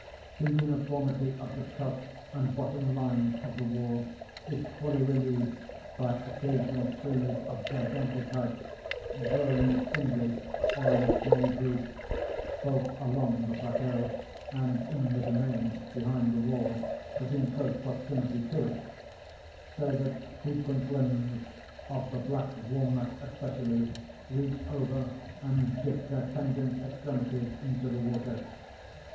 The uniformity of the top and bottom lines of the wall is fully relieved by occasional trees of gigantic height, growing singly or in small groups, both along the plateau and in the domain behind the wall, but in close proximity to it; so that frequent limbs (of the black walnut especially) reach over and dip their pendent extremities into the water.